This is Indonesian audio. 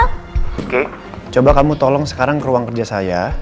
oke coba kamu tolong sekarang ke ruang kerja saya